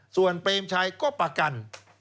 ส่วนเปรมชัยก็ประกัน